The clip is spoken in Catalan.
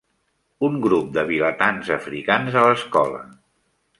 Un grup de vilatans africans a l'escola.